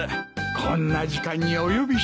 こんな時間にお呼びして。